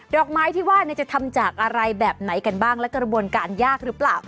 อกไม้ที่ว่าจะทำจากอะไรแบบไหนกันบ้างและกระบวนการยากหรือเปล่า